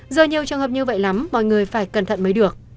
giờ nhiều trường hợp như vậy lắm mọi người phải cẩn thận mới được